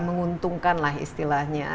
dan menguntungkan lah istilahnya